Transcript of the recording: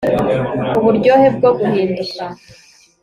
uburyohe bwo guhinduka